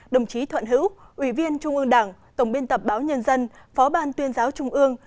đồng chí thuận hữu ủy viên trung ương đảng tổng biên tập báo nhân dân phó ban tuyên giáo trung ương